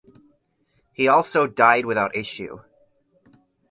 He also died without issue.